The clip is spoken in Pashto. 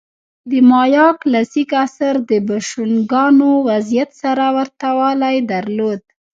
د مایا کلاسیک عصر د بوشونګانو وضعیت سره ورته والی درلود